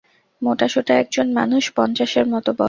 মোটাসোটা একজন মানুষ, পঞ্চাশের মতো বয়স।